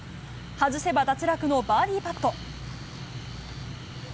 外せば脱落のバーディーパット。